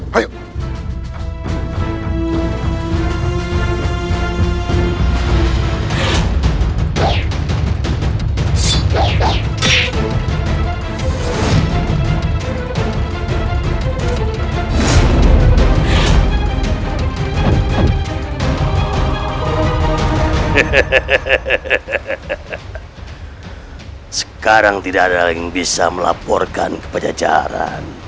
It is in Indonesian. hai sekarang tidak ada yang bisa melaporkan kepada jaran